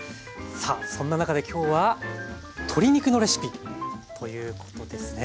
さあそんな中で今日は鶏肉のレシピということですね。